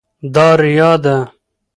دا ریا ده.